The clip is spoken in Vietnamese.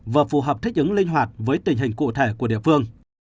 vừa phù hợp thích ứng linh hoạt với tình hình cụ thể của địa phương